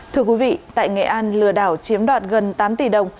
thưa quý vị tại nghệ an lừa đảo chiếm đoạt gần tám tỷ đồng